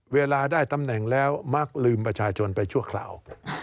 เวลาได้ตำแหน่งแล้วมักลืมประชาชนไปชั่วคราว